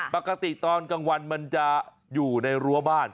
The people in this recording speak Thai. ปกติตอนกลางวันมันจะอยู่ในรั้วบ้าน